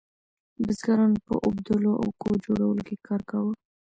بزګرانو په اوبدلو او کور جوړولو کې کار کاوه.